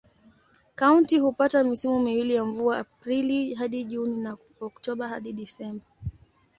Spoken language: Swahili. Kaunti hupata misimu miwili ya mvua: Aprili hadi Juni na Oktoba hadi Disemba.